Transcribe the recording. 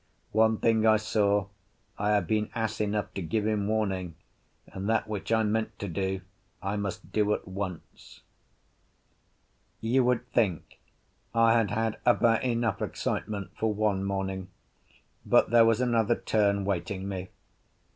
One thing I saw, I had been ass enough to give him warning, and that which I meant to do I must do at once. You would think I had had about enough excitement for one morning, but there was another turn waiting me.